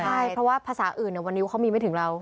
ใช่เพราะว่าภาษาอื่นวันนี้เขามีไม่ถึงเรา